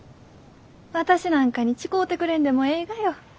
私なんかに誓うてくれんでもえいがよ。